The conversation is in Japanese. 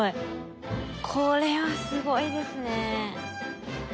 これはすごいですね。